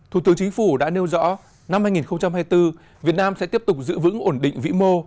thủ tướng chính phủ đã nêu rõ năm hai nghìn hai mươi bốn việt nam sẽ tiếp tục giữ vững ổn định vĩ mô